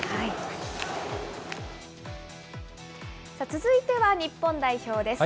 続いては日本代表です。